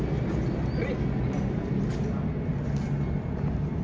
ผมไม่กล้าด้วยผมไม่กล้าด้วยผมไม่กล้าด้วย